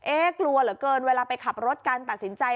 เอ๊ะกลัวเหรอเกินเวลาไปขับรถการตัดสินใจ